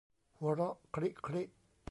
หัวเราะคริคริ